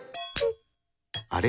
あれ？